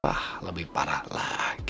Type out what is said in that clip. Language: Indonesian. wah lebih parah lagi